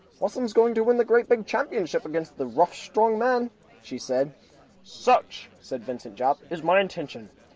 "Wassums going to win great big championship against nasty rough strong man?" she said. "Such," said Vincent Jopp, "is my intention.